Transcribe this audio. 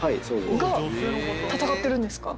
闘ってるんですか？